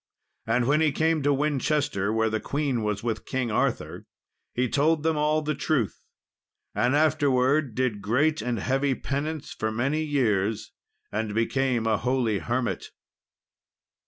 And when he came to Winchester, where the Queen was with King Arthur, he told them all the truth; and afterwards did great and heavy penance many years, and became an holy hermit.